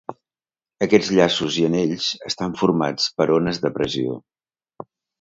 Aquests llaços i anells estan formats per ones de pressió.